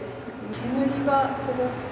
煙がすごくて。